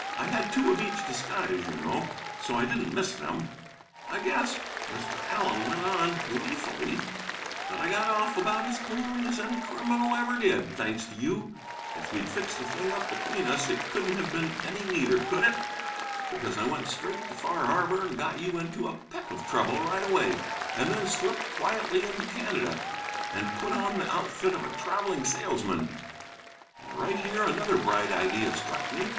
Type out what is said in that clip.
I had two of each disguise, you know, so I didn't miss them. "'I guess,' Mr. Allen went on, gleefully, 'that I got off about as cleanly as any criminal ever did, thanks to you. If we'd fixed the thing up between us it couldn't have been any neater, could it? Because I went straight to Far Harbor and got you into a peck of trouble, right away, and then slipped quietly into Canada, and put on the outfit of a travelling salesman. And right here another bright idea struck me.